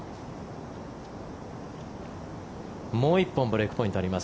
もう１本ブレークポイントあります